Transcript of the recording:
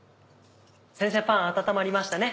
先生パン温まりましたね。